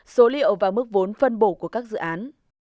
số liệu và mức vốn phân bổ của các dự án